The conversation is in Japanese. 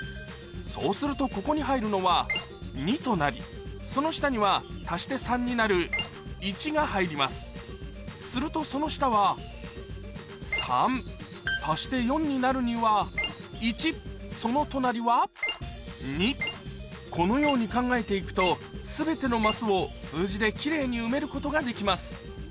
そうするとここに入るのは２となりその下には足して３になる１が入りますするとその下は足して４になるにはその隣はこのように考えて行くと全てのマスを数字で奇麗に埋めることができます